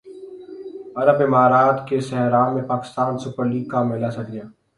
عرب امارات کے صحرا میں پاکستان سپر لیگ کا میلہ سج گیا